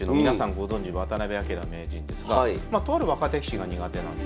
ご存じ渡辺明名人ですがとある若手棋士が苦手なんです。